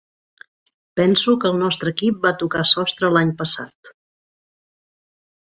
Penso que el nostre equip va tocar sostre l'any passat.